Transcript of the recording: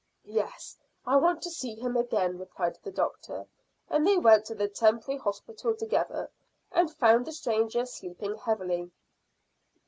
"Yes, I want to see him again," replied the doctor, and they went to the temporary hospital together, and found the stranger sleeping heavily.